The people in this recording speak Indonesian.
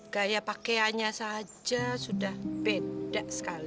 gaya pakaiannya saja sudah beda sekali